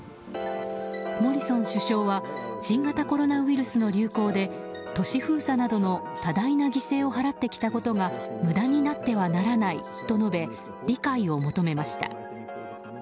モリソン首相は新型コロナウイルスの流行で都市封鎖などの多大な犠牲を払ってきたことが無駄になってはならないと述べ理解を求めました。